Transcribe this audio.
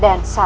dan satu lagi